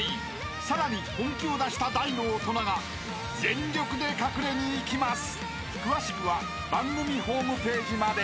［さらに本気を出した大の大人が全力で隠れに行きます！］